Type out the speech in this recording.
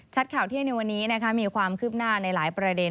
ข่าวเที่ยงในวันนี้มีความคืบหน้าในหลายประเด็น